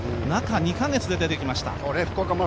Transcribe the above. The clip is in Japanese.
中２カ月で出てきました。